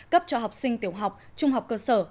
cấp cho học sinh tiểu học trung học cơ sở